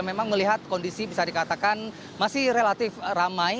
memang melihat kondisi bisa dikatakan masih relatif ramai